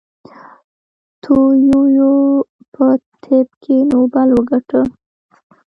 تو یویو په طب کې نوبل وګاټه.